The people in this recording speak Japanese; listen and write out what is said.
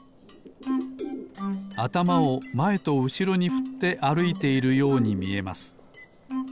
あたまをまえとうしろにふってあるいているようにみえます。